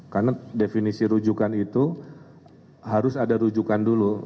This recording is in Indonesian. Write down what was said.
karena definisi rujukan itu harus ada rujukan dulu